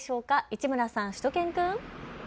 市村さん、しゅと犬くん。